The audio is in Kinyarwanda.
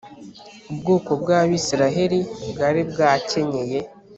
ubwoko bw’abisiraheli bwari bwakenyeye,